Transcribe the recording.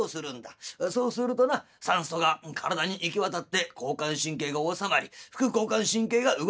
そうするとな酸素が体に行き渡って交感神経が収まり副交感神経が動きだす。